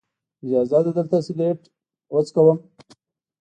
اجازه ده دلته سګرټ وڅکم.